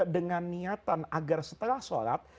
dengan niatan agar setelah sholat